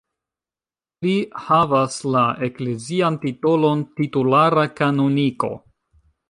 Li havas la eklezian titolon titulara kanoniko.